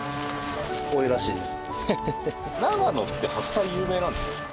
長野って白菜有名なんですか？